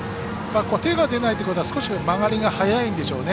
手が出ないということは少し曲がりが早いんでしょうね。